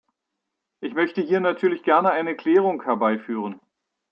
Ich möchte hier natürlich gerne eine Klärung herbeiführen.